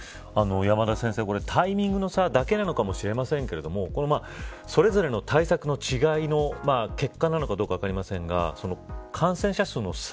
山田先生、タイミングの差だけかもしれませんがそれぞれの対策の違いの結果なのかどうか分かりませんが感染者数の差